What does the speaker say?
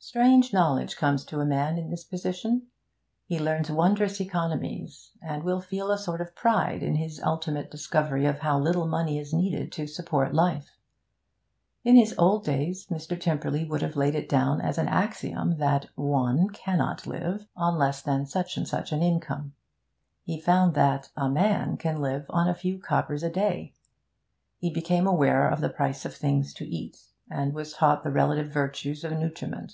Strange knowledge comes to a man in this position. He learns wondrous economies, and will feel a sort of pride in his ultimate discovery of how little money is needed to support life. In his old days Mr. Tymperley would have laid it down as an axiom that 'one' cannot live on less than such and such an income; he found that 'a man' can live on a few coppers a day. He became aware of the prices of things to eat, and was taught the relative virtues of nutriment.